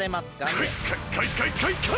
カイカイカイカイカイ！